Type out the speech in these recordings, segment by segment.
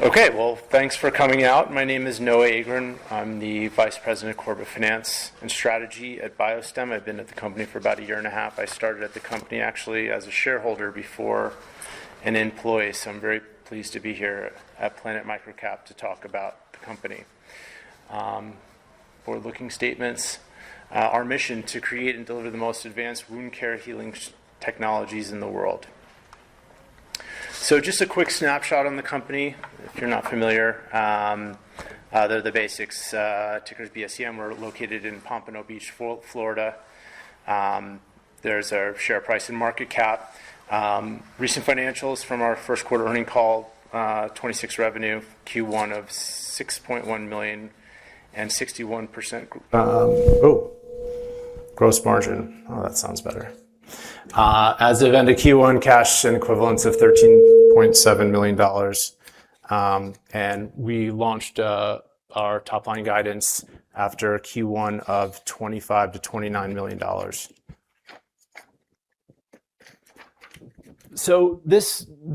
Well, thanks for coming out. My name is Noah Agron. I'm the Vice President of Corporate Finance and Strategy at BioStem. I've been at the company for about a year and a half. I started at the company actually as a shareholder before an employee. I'm very pleased to be here at Planet MicroCap to talk about the company. Forward-looking statements. Our mission, to create and deliver the most advanced wound care healing technologies in the world. Just a quick snapshot on the company. If you're not familiar, they're the basics. Ticker's BSEM. We're located in Pompano Beach, Florida. There's our share price and market cap. Recent financials from our first quarter earning call, 26 revenue, Q1 of $6.1 million and 61% gross margin. Oh, that sounds better. As of end of Q1, cash and equivalents of $13.7 million. We launched our top-line guidance after Q1 of $25 million-$29 million.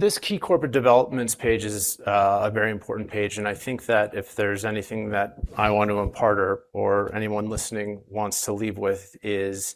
This key corporate developments page is a very important page, and I think that if there's anything that I want to impart or anyone listening wants to leave with, is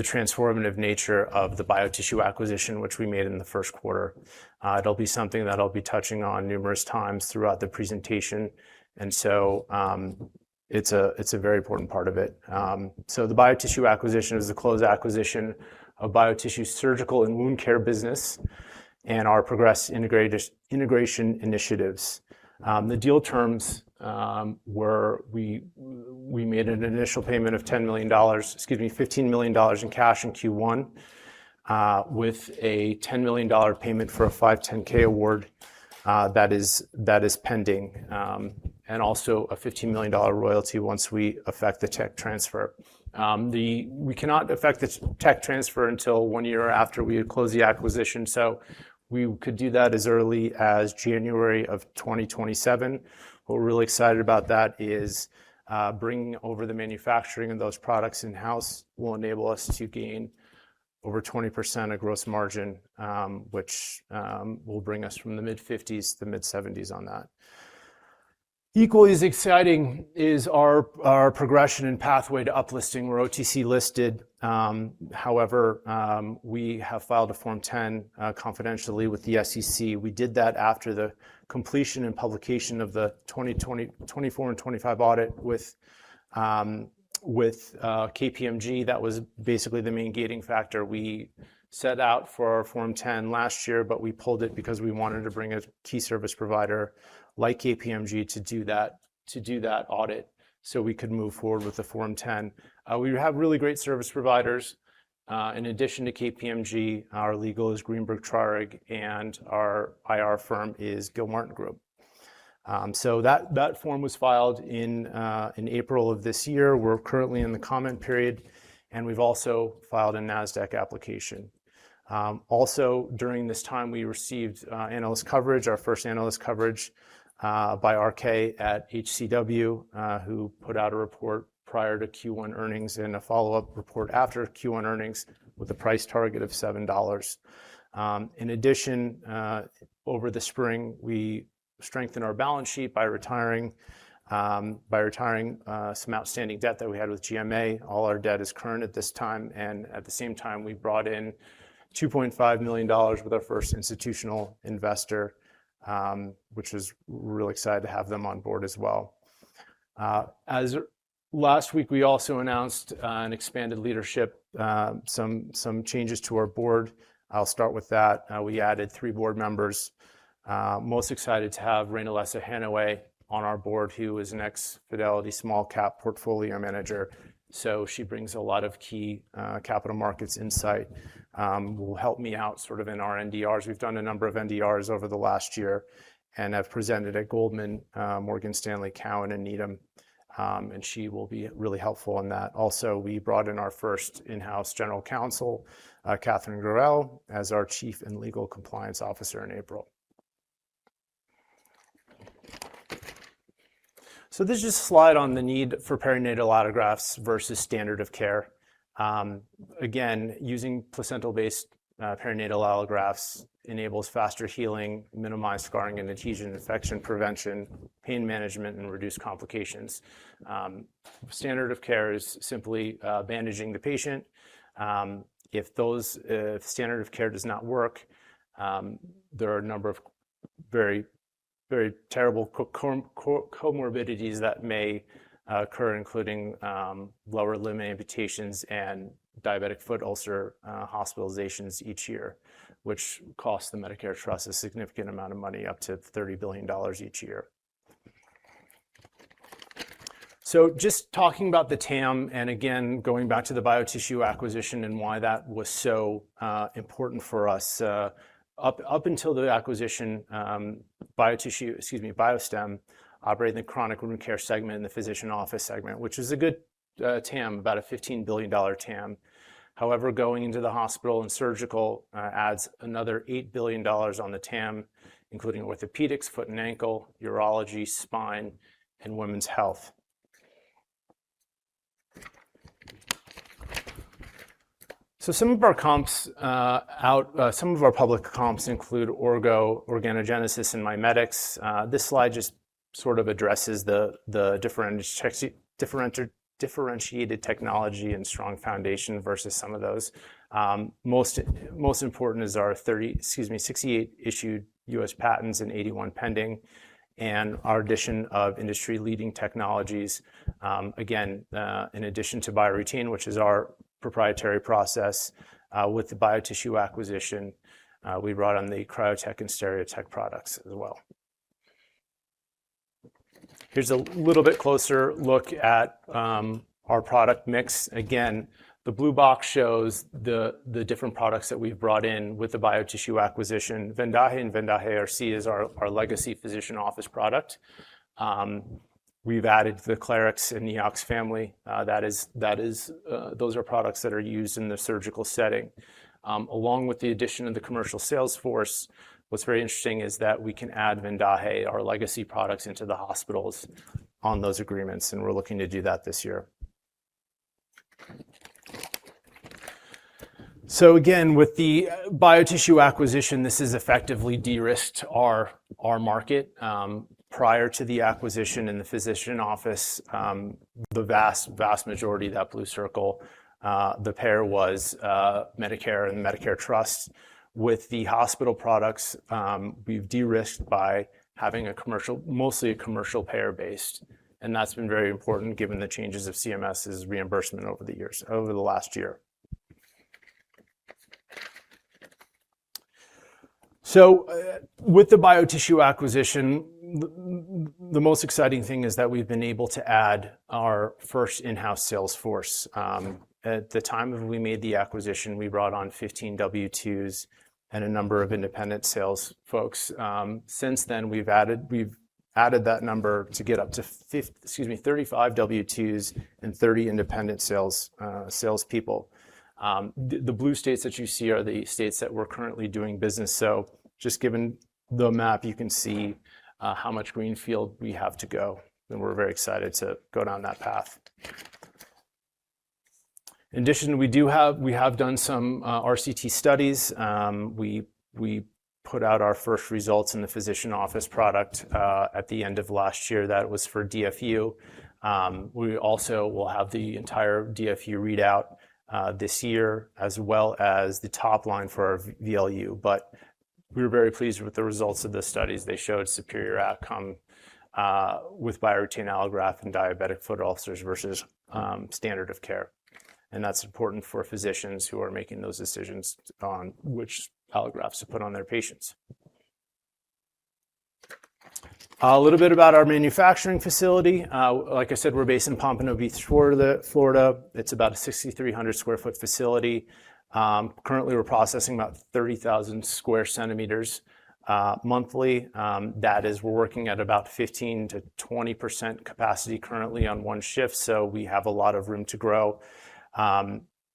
the transformative nature of the BioTissue acquisition, which we made in the first quarter. It'll be something that I'll be touching on numerous times throughout the presentation. It's a very important part of it. The BioTissue acquisition is the closed acquisition of BioTissue surgical and wound care business and our progress integration initiatives. The deal terms were we made an initial payment of $15 million in cash in Q1 with a $10 million payment for a 510 award that is pending. A $15 million royalty once we affect the tech transfer. We cannot affect the tech transfer until one year after we had closed the acquisition, so we could do that as early as January of 2027. What we're really excited about that is bringing over the manufacturing and those products in-house will enable us to gain over 20% of gross margin, which will bring us from the mid-50s to the mid-70s on that. Equally as exciting is our progression and pathway to uplisting. We're OTC listed. However, we have filed a Form-10 confidentially with the SEC. We did that after the completion and publication of the 2024 and 2025 audit with KPMG. That was basically the main gating factor. We set out for our Form-10 last year, but we pulled it because we wanted to bring a key service provider like KPMG to do that audit so we could move forward with the Form-10. We have really great service providers. In addition to KPMG, our legal is Greenberg Traurig. Our IR firm is Gilmartin Group. That form was filed in April of this year. We're currently in the comment period. We've also filed a Nasdaq application. Also, during this time, we received analyst coverage, our first analyst coverage by RK at HCW who put out a report prior to Q1 earnings and a follow-up report after Q1 earnings with a price target of $7. In addition, over the spring, we strengthened our balance sheet by retiring some outstanding debt that we had with GMA. All our debt is current at this time. At the same time, we brought in $2.5 million with our first institutional investor, which was really excited to have them on board as well. Last week, we also announced an expanded leadership, some changes to our board. I'll start with that. We added three board members. Most excited to have Rayna Lesser Hannaway on our board, who is an ex-Fidelity Small Cap portfolio manager. She brings a lot of key capital markets insight, will help me out sort of in our NDRs. We've done a number of NDRs over the last year and have presented at Goldman, Morgan Stanley, Cowen, and Needham, and she will be really helpful in that. Also, we brought in our first in-house general counsel, Katherine Gurell, as our Chief and Legal Compliance Officer in April. This is just a slide on the need for perinatal allografts versus standard of care. Again, using placental-based perinatal allografts enables faster healing, minimized scarring and adhesion, infection prevention, pain management, and reduced complications. Standard of care is simply bandaging the patient. If standard of care does not work, there are a number of very terrible comorbidities that may occur, including lower limb amputations and diabetic foot ulcer hospitalizations each year, which costs the Medicare trust a significant amount of money, up to $30 billion each year. Just talking about the TAM, and again, going back to the BioTissue acquisition and why that was so important for us. Up until the acquisition, BioStem operated in the chronic wound care segment and the physician office segment, which is a good TAM, about a $15 billion TAM. Going into the hospital and surgical adds another $8 billion on the TAM, including orthopedics, foot and ankle, urology, spine, and women's health. Some of our public comps include Orgo, Organogenesis, and MiMedx. This slide just sort of addresses the differentiated technology and strong foundation versus some of those. Most important is our 68 issued U.S. patents and 81 pending, and our addition of industry-leading technologies. Again, in addition to BioRetain, which is our proprietary process, with the BioTissue acquisition, we brought on the CryoTek and SteriTek products as well. Here's a little bit closer look at our product mix. Again, the blue box shows the different products that we've brought in with the BioTissue acquisition. VENDAJE and VENDAJE AC is our legacy physician office product. We've added the Clarix and Neox family. Those are products that are used in the surgical setting. Along with the addition of the commercial sales force, what's very interesting is that we can add VENDAJE, our legacy products, into the hospitals on those agreements, and we're looking to do that this year. Again, with the BioTissue acquisition, this has effectively de-risked our market. Prior to the acquisition in the physician office, the vast majority of that blue circle, the payer was Medicare and the Medicare trust. With the hospital products, we've de-risked by having mostly a commercial payer base, and that's been very important given the changes of CMS's reimbursement over the last year. With the BioTissue acquisition, the most exciting thing is that we've been able to add our first in-house sales force. At the time we made the acquisition, we brought on 15 W-2s and a number of independent sales folks. Since then, we've added that number to get up to 35 W-2s and 30 independent salespeople. The blue states that you see are the states that we're currently doing business. Just given the map, you can see how much greenfield we have to go, and we're very excited to go down that path. In addition, we have done some RCT studies. We put out our first results in the physician office product at the end of last year. That was for DFU. We also will have the entire DFU readout this year, as well as the top line for our VLU. We were very pleased with the results of the studies. They showed superior outcome with BioRetain Allograft in diabetic foot ulcers versus standard of care. That is important for physicians who are making those decisions on which allografts to put on their patients. A little bit about our manufacturing facility. Like I said, we are based in Pompano Beach, Florida. It is about a 6,300 sq ft facility. Currently, we are processing about 30,000 sq cm monthly. That is, we are working at about 15%-20% capacity currently on one shift, so we have a lot of room to grow.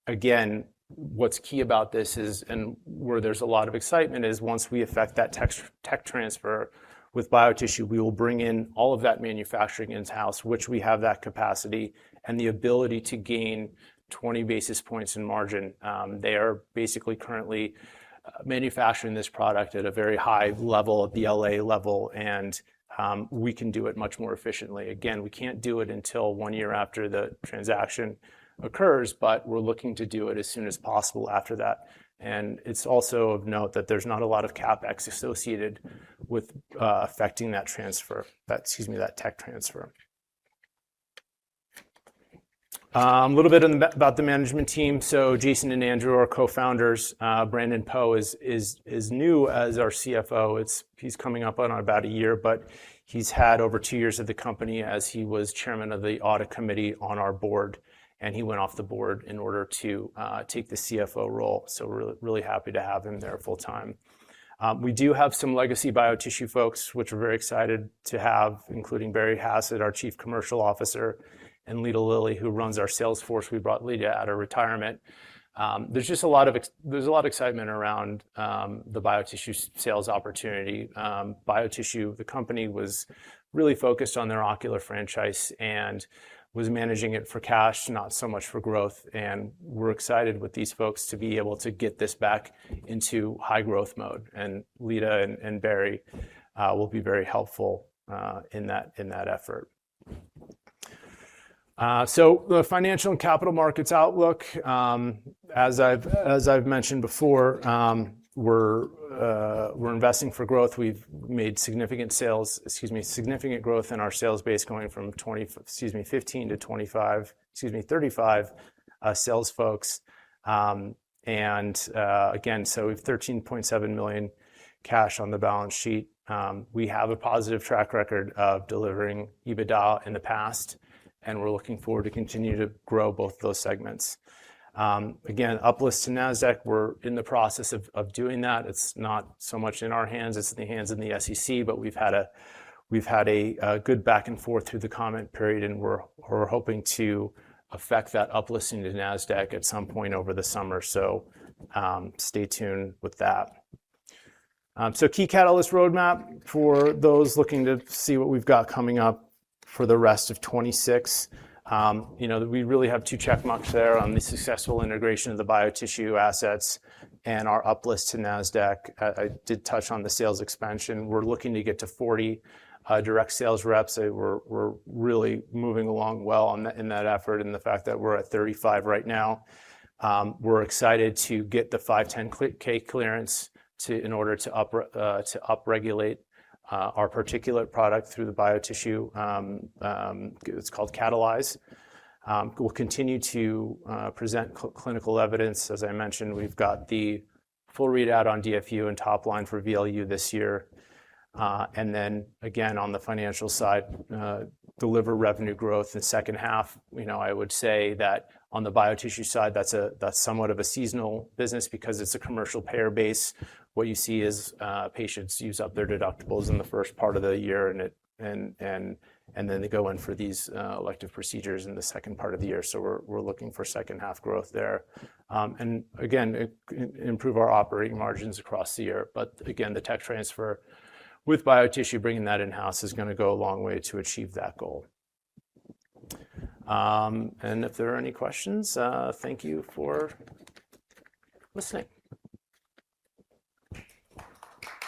Again, what is key about this is, and where there is a lot of excitement is once we effect that tech transfer with BioTissue, we will bring in all of that manufacturing in-house, which we have that capacity and the ability to gain 20 basis points in margin. They are basically currently manufacturing this product at a very high level, at the L.A. level, and we can do it much more efficiently. Again, we cannot do it until one year after the transaction occurs, but we are looking to do it as soon as possible after that. It is also of note that there is not a lot of CapEx associated with effecting that tech transfer. A little bit about the management team. Jason and Andrew are co-founders. Brandon Poe is new as our CFO. He is coming up on about a year, but he has had over two years of the company as he was chairman of the audit committee on our board, and he went off the board in order to take the CFO role. We are really happy to have him there full time. We do have some legacy BioTissue folks, which we are very excited to have, including Barry Hassett, our Chief Commercial Officer, and Leta Lilly, who runs our sales force. We brought Leta out of retirement. There is a lot of excitement around the BioTissue sales opportunity. BioTissue, the company, was really focused on their ocular franchise and was managing it for cash, not so much for growth, and we are excited with these folks to be able to get this back into high growth mode, and Leta and Barry will be very helpful in that effort. The financial and capital markets outlook, as I have mentioned before, we are investing for growth. We have made significant growth in our sales base, going from 15-35 sales folks. Again, we have $13.7 million cash on the balance sheet. We have a positive track record of delivering EBITDA in the past, and we are looking forward to continue to grow both those segments. Again, uplist to Nasdaq, we are in the process of doing that. It is not so much in our hands as in the hands in the SEC, but we have had a good back and forth through the comment period, and we are hoping to effect that uplisting to Nasdaq at some point over the summer, so stay tuned with that. Key catalyst roadmap for those looking to see what we have got coming up for the rest of 2026. We really have two check marks there on the successful integration of the BioTissue assets and our uplist to Nasdaq. I did touch on the sales expansion. We're looking to get to 40 direct sales reps. We're really moving along well in that effort and the fact that we're at 35 right now. We're excited to get the 510 clearance in order to upregulate our particulate product through the BioTissue, it's called Catalyze. We'll continue to present clinical evidence. As I mentioned, we've got the full readout on DFU and top line for VLU this year. Again, on the financial side, deliver revenue growth in the second half. I would say that on the BioTissue side, that's somewhat of a seasonal business because it's a commercial payer base. What you see is patients use up their deductibles in the first part of the year and then they go in for these elective procedures in the second part of the year. We're looking for second half growth there. Again, improve our operating margins across the year. Again, the tech transfer with BioTissue, bringing that in-house is going to go a long way to achieve that goal. If there are any questions, thank you for listening.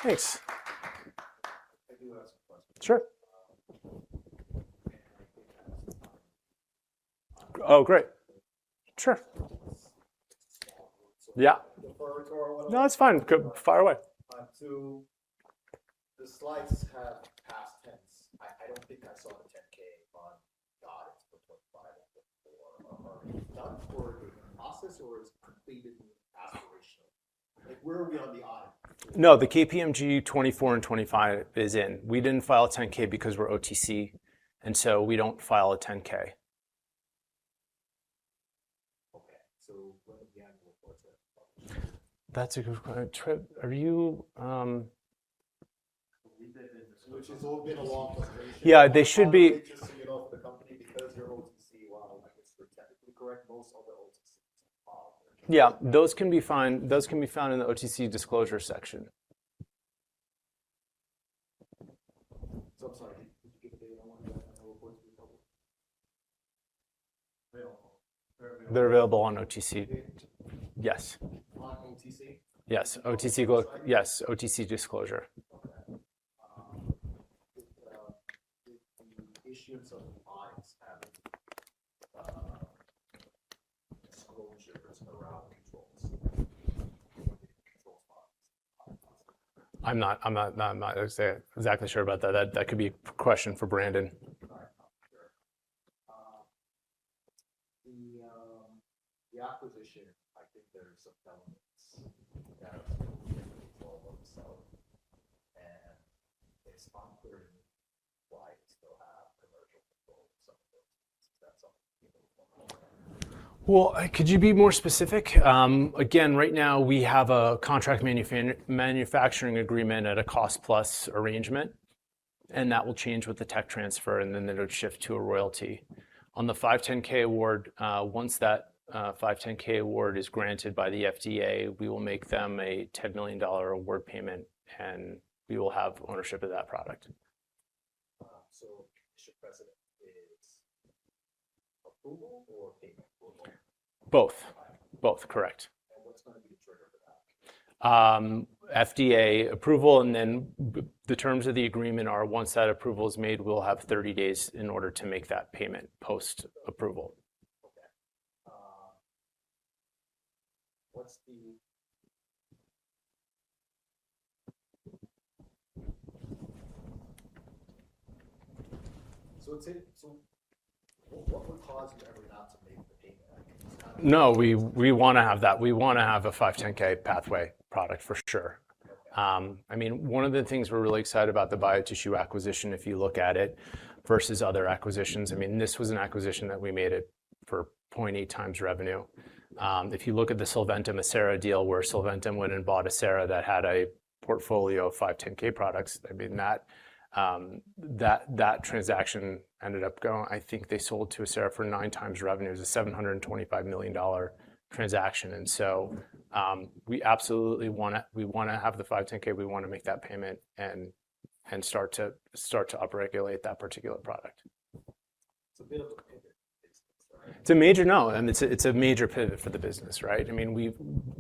Thanks. I do have some questions. Sure. Oh, great. Sure. Yeah. Defer to our- No, that's fine. Fire away. The slides have past tense. I don't think I saw the 10-K on guidance for 2025 and 2024. Are they done for in-process or it's completed aspirational? Where are we on the item? No, the KPMG 2024 and 2025 is in. We didn't file a 10-K because we're OTC, and so we don't file a 10-K. Okay. When can we have a look at it? Trip, are you Which has all been a long frustration. Yeah, they should be. Just to get off the company because they're OTC while I guess they're technically correct, most other OTCs file their Yeah, those can be found in the OTC disclosure section. I'm sorry. Did you get the data on that report? They're available. They're available on OTC. They are? Yes. On OTC? Yes. OTC. Yes. OTC disclosure. Okay. With the issuance of the IMSE having disclosures around controls. I'm not exactly sure about that. That could be a question for Brandon. All right. Sure. The acquisition, I think there's some elements that have been in control of themselves, and it's unclear why you still have commercial control of some of those. Is that something you can talk about? Well, could you be more specific? Again, right now we have a contract manufacturing agreement at a cost-plus arrangement, and that will change with the tech transfer, and then it'll shift to a royalty. On the 510 award, once that 510 award is granted by the FDA, we will make them a $10 million award payment, and we will have ownership of that product. Mission precedent is approval or payment or both? Both. Both, correct. What's going to be the trigger for that? FDA approval and then the terms of the agreement are once that approval is made, we'll have 30 days in order to make that payment post-approval. Okay. What would cause you ever not to make the payment? No, we want to have that. We want to have a 510 pathway product for sure. Okay. One of the things we're really excited about the BioTissue acquisition, if you look at it versus other acquisitions, this was an acquisition that we made it for 0.8x revenue. If you look at the Solventum Acera deal where Solventum went and bought Acera that had a portfolio of 510 products, that transaction ended up. I think they sold to Acera for 9x revenues, a $725 million transaction. We absolutely want to have the 510. We want to make that payment and start to upregulate that particular product. It's a bit of a pivot for the business, right? I know. It's a major pivot for the business, right?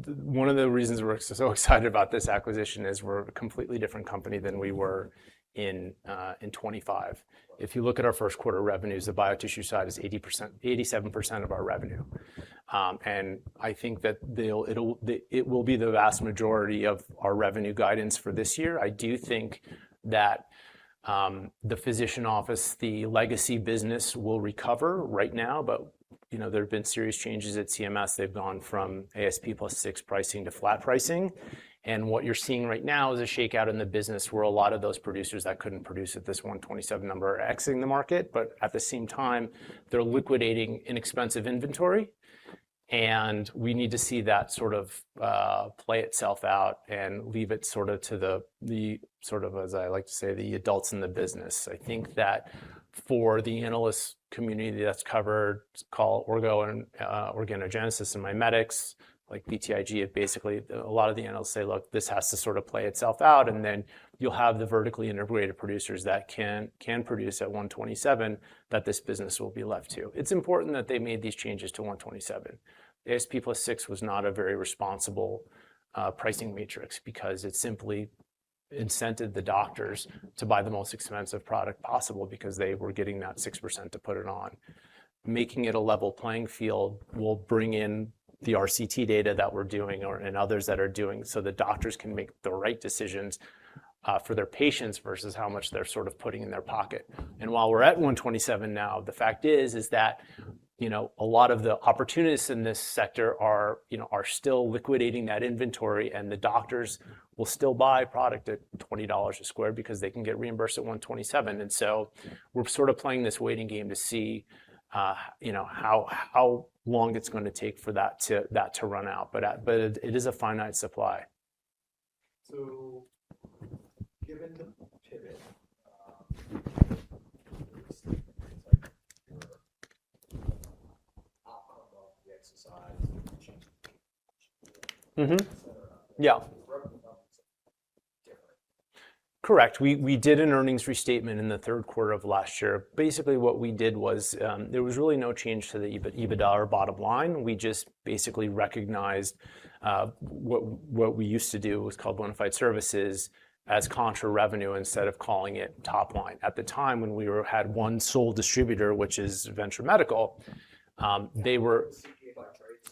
One of the reasons we're so excited about this acquisition is we're a completely different company than we were in 2025. If you look at our first quarter revenues, the BioTissue side is 87% of our revenue. I think that it will be the vast majority of our revenue guidance for this year. I do think that the physician office, the legacy business will recover right now. There have been serious changes at CMS. They've gone from ASP plus 6% pricing to flat pricing. What you're seeing right now is a shakeout in the business where a lot of those producers that couldn't produce at this 127 number are exiting the market. At the same time, they're liquidating inexpensive inventory. We need to see that play itself out and leave it to the, as I like to say, the adults in the business. I think that for the analyst community that's covered, call it Orgo and Organogenesis and MiMedx like PTIG, basically, a lot of the analysts say, "Look, this has to play itself out." Then you'll have the vertically integrated producers that can produce at 127 that this business will be left to. It's important that they made these changes to 127. The ASP plus 6% was not a very responsible pricing matrix because it simply incented the doctors to buy the most expensive product possible because they were getting that 6% to put it on. Making it a level playing field will bring in the RCT data that we're doing or others that are doing, so the doctors can make the right decisions for their patients versus how much they're putting in their pocket. While we're at 127 now, the fact is that a lot of the opportunists in this sector are still liquidating that inventory, and the doctors will still buy product at $20 a square because they can get reimbursed at 127. We're playing this waiting game to see how long it's going to take for that to run out. It is a finite supply. Given the pivot, obviously things like your off above the exercise and change et cetera. Yeah. different. Correct. We did an earnings restatement in the third quarter of last year. Basically what we did was, there was really no change to the EBITDA or bottom line. We just basically recognized what we used to do was called bona fide services as contra revenue instead of calling it top line. At the time when we had one sole distributor, which is Venture Medical, they were-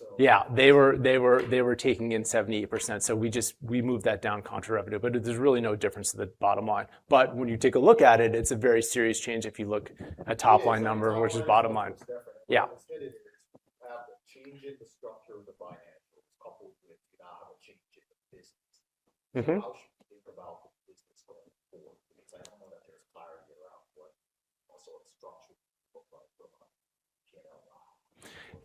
Right. Yeah. They were taking in 78%. We moved that down contra revenue, there's really no difference to the bottom line. When you take a look at it's a very serious change if you look at top line number versus bottom line. It is. The top line number was different. Yeah. What I said is, you have a change in the structure of the financials coupled with you now have a change in the business.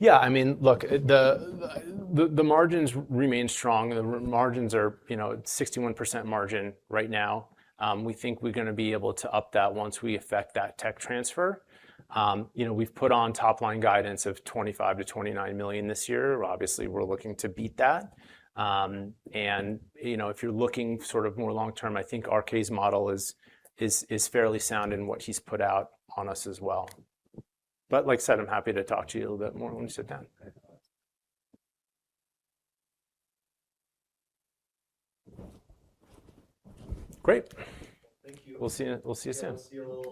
How should we think about the business going forward? I don't know that there's clarity around what sort of structure. Yeah. Look, the margins remain strong. The margins are 61% margin right now. We think we're going to be able to up that once we effect that tech transfer. We've put on top line guidance of $25 million-$29 million this year. Obviously, we're looking to beat that. If you're looking more long-term, I think RK's model is fairly sound in what he's put out on us as well. Like I said, I'm happy to talk to you a little bit more when we sit down. Great. Thank you. We'll see you at SIM. See you all.